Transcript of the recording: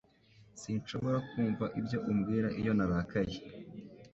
Sinshobora kumva ibyo umbwira iyo narakaye.